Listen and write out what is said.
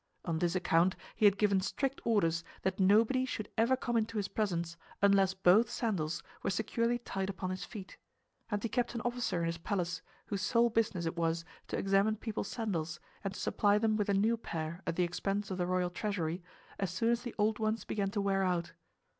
On this account he had given strict orders that nobody should ever come into his presence unless both sandals were securely tied upon his feet; and he kept an officer in his palace whose sole business it was to examine people's sandals and to supply them with a new pair at the expense of the royal treasury as soon as the old ones began to wear out.